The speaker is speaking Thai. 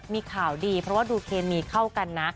มีข่าวดีเพราะว่าดูเคมีเข้ากันนะ